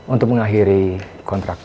untuk mengakhiri kontrak